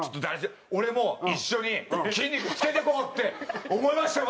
俺も一緒に筋肉つけてこうって思いました。